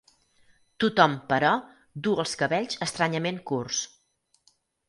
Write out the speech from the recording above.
Tothom, però, du els cabells estranyament curts.